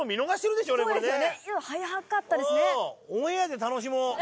今速かったですね。